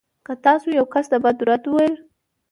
که تاسو يو کس ته بد رد وویل.